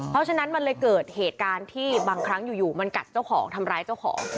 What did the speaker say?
เพราะฉะนั้นมันเลยเกิดเหตุการณ์ที่บางครั้งอยู่มันกัดเจ้าของทำร้ายเจ้าของ